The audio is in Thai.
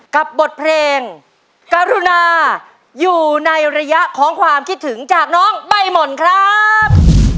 บทเพลงกรุณาอยู่ในระยะของความคิดถึงจากน้องใบหม่อนครับ